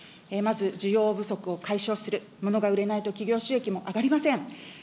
まず、需要不足を解消する、ものが売れないと企業収益も上がりません。